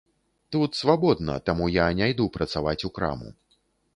Тут свабодна, таму я не іду працаваць у краму.